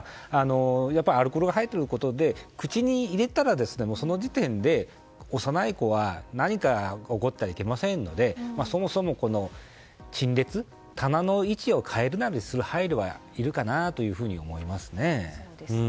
アルコールが入ってるということで口に入れたらその時点で幼い子に何か起こったらいけませんのでそもそも、陳列棚の位置を変えるなどする配慮はいるかなと思いますね。